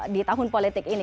di tahun politik ini